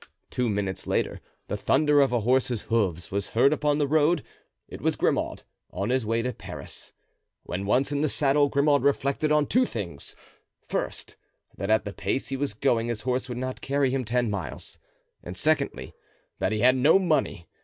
Two minutes later the thunder of a horse's hoofs was heard upon the road; it was Grimaud, on his way to Paris. When once in the saddle Grimaud reflected on two things; first, that at the pace he was going his horse would not carry him ten miles, and secondly, that he had no money.